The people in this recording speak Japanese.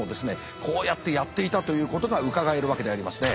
こうやってやっていたということがうかがえるわけでありますね。